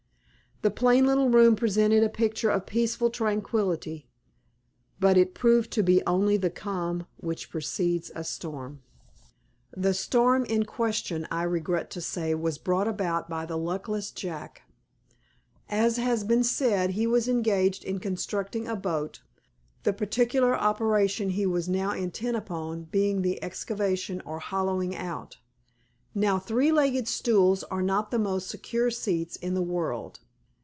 The plain little room presented a picture of peaceful tranquillity, but it proved to be only the calm which precedes a storm. The storm in question, I regret to say, was brought about by the luckless Jack. As has been said, he was engaged in constructing a boat, the particular operation he was now intent upon being the excavation or hollowing out. Now three legged stools are not the most secure seats in the world.